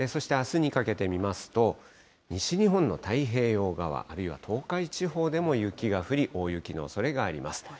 そしてあすにかけて見ますと、西日本の太平洋側、あるいは東海地方でも雪が降り、大雪のおそれがあります。